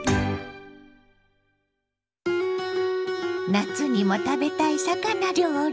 夏にも食べたい魚料理。